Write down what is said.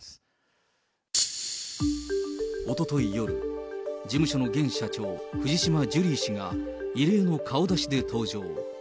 おととい夜、事務所の現社長、藤島ジュリー氏が異例の顔出しで登場。